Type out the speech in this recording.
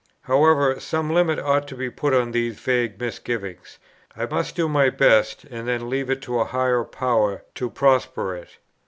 However, some limit ought to be put to these vague misgivings; I must do my best and then leave it to a higher Power to prosper it.